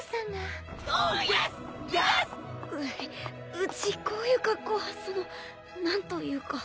ううちこういう格好はその何というか。